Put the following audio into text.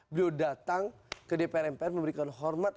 beliau datang ke dpr mpr memberikan hormat